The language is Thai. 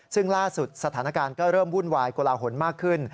ซึ่งล่าสุดสถานการณ์ก็เริ่มวุ่นวายกลาหลมากขึ้น